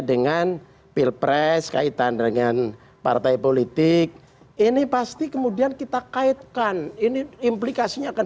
dengan pilpres kaitan dengan partai politik ini pasti kemudian kita kaitkan ini implikasinya akan